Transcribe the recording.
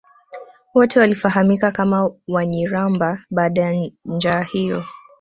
wote walifahamika kama Wanyiramba baada ya njaa hiyo